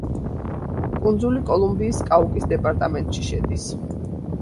კუნძული კოლუმბიის კაუკის დეპარტამენტში შედის.